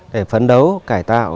để phấn đấu cải tạo